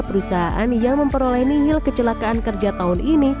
perusahaan yang memperoleh nihil kecelakaan kerja tahun ini